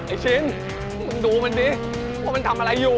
ชิ้นมึงดูมันดิว่ามันทำอะไรอยู่